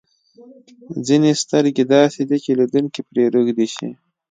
ځینې سترګې داسې دي چې لیدونکی پرې روږدی شي.